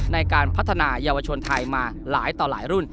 ในการพัฒนายาวชนไทยมาหลายต่อหลายรุ่น